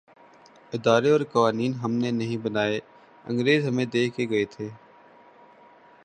ادارے اورقوانین ہم نے نہیں بنائے‘ انگریز ہمیں دے کے گئے تھے۔